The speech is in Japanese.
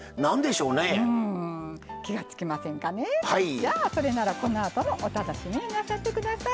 じゃあそれならこのあともお楽しみになさって下さい。